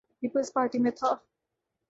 Peoples Party میں تھا۔